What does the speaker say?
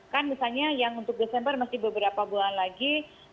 kan misalnya yang untuk desember masih beberapa bulan lagi